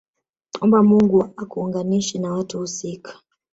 Omba Mungu akuunganishe na watu husika